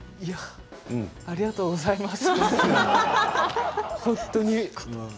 ありがとうございます。